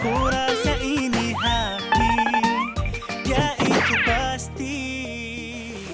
kalau kalian masih berantem